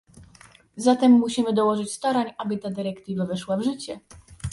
Zatem musimy dołożyć starań, aby ta dyrektywa weszła w życie